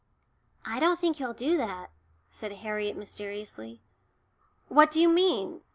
"I don't think he'll do that," said Harriet mysteriously. "What do you mean?